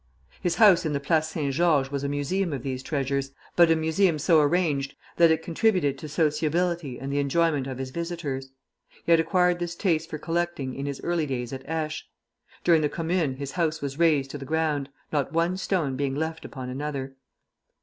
His house in the Place Saint Georges was a museum of these treasures, but a museum so arranged that it contributed to sociability and the enjoyment of his visitors. He had acquired this taste for collecting in his early days at Aix. During the Commune his house was razed to the ground, not one stone being left upon another.